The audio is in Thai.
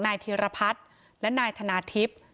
แน่ทิรพัฒน์และทนาทิพย์